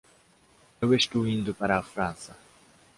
Eu estou indo para a França.